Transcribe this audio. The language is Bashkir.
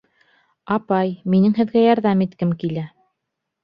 — Апай, минең һеҙгә ярҙам иткем килә.